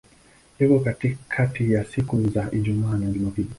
Iko kati ya siku za Ijumaa na Jumapili.